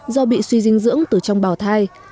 do bị suy dinh dưỡng từ trong bào thai